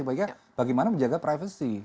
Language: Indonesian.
baiknya bagaimana menjaga privacy